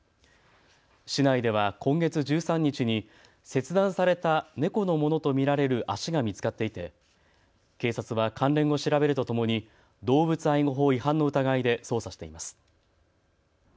市内では今月１３日に切断された猫のものと見られる足が見つかっていて警察は関連を調べるとともに動物愛護法違反の疑いで捜査しています。